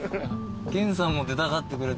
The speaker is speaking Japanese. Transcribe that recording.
健さんも出たがってくれて。